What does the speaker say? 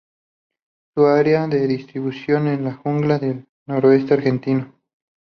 Su área de difusión es la jungla del noreste argentino.